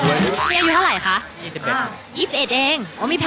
นี่อายุเท่าไหร่คะ